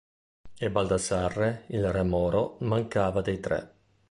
E Baldassarre, il re moro, mancava dei tre.